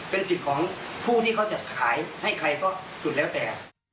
เป็นสิทธิ์ของผู้ที่เขาจะขายให้ใครก็สุดแล้วแต่